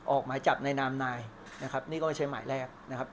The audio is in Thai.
ออกหมายจับในนามนายนะครับนี่ก็ไม่ใช่หมายแรกนะครับ